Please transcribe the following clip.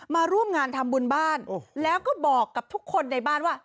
มาร่วมงานทำบุญบ้านแล้วก็บอกกับทุกคนในบ้านว่า